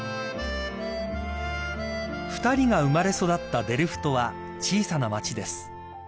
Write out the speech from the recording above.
［２人が生まれ育ったデルフトは小さな町です］